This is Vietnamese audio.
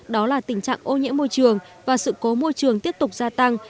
đó là tình trạng ô nhiễm môi trường và sự cố môi trường tiếp tục gia tăng